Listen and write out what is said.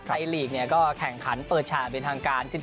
ลีกก็แข่งขันเปิดฉากเป็นทางการ